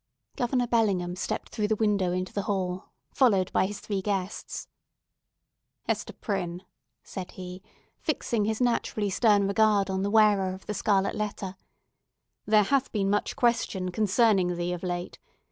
Governor Bellingham stepped through the window into the hall, followed by his three guests. "Hester Prynne," said he, fixing his naturally stern regard on the wearer of the scarlet letter, "there hath been much question concerning thee of late.